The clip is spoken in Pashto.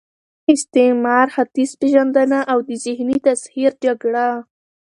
استعمار، ختیځ پېژندنه او د ذهني تسخیر جګړه